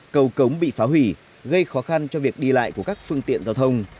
cầu cống bị phá hủy gây khó khăn cho việc đi lại của các phương tiện giao thông